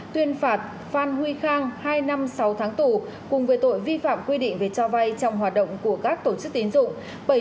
tuyên phạt phan huy khang hai năm sáu tháng tù cùng với tội vi phạm quy định về cho vay trong hoạt động của các tổ chức tín dụng